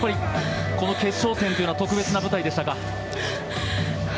この決勝戦というのは特別な舞台でしたか。